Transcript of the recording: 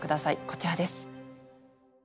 こちらです。